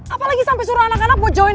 apalagi sampe suruh anak anak buat jauhin